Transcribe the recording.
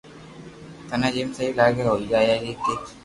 ٿني جيم سھي لاگي ھوئي جائي ٺيڪ ٺيڪ